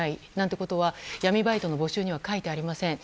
ことは闇バイトの募集には書いてありません。